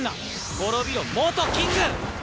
滅びろ元キング！